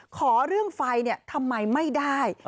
ขอเรื่องไฟทำไมไม่ได้